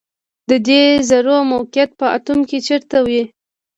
د دې ذرو موقعیت په اتوم کې چیرته وي